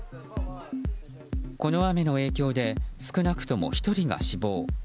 この雨の影響で少なくとも１人が死亡。